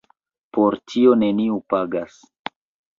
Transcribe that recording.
Por tio neniu pagas.